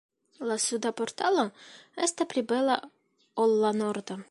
La suda portalo esta pli bela ol la norda.